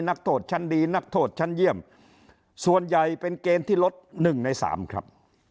นักโทษชั้นดีนักโทษชั้นเยี่ยมส่วนใหญ่เป็นเกณฑ์ที่ลดหนึ่งในสามครับ